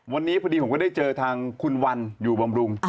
วันนี้พอดีผมก็ได้เจอทางคุณวันอยู่บำรุง